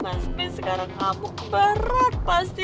mas be sekarang amuk berat pasti